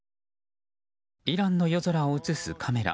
イランの夜空を映すカメラ。